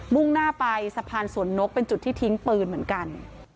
่งหน้าไปสะพานสวนนกเป็นจุดที่ทิ้งปืนเหมือนกัน